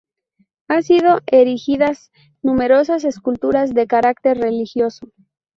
Han sido erigidas numerosas esculturas de carácter religioso.